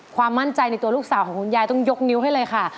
ความมั่นใจในตัวลูกสาวของคุณยายต้องยกนิ้วให้เลยค่ะ